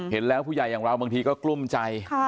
เห็นแล้วผู้ใหญ่อย่างเราบางทีก็กลุ้มใจ